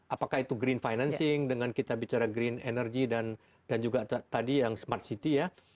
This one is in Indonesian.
apakah itu green financing dengan kita bicara green energy dan juga tadi yang smart city ya